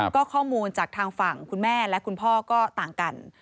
ก็ข้อมูลจากทางฝั่งคุณแม่และคุณพ่อก็ต่างกัน